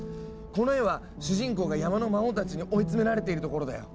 この絵は主人公が山の魔王たちに追い詰められているところだよ。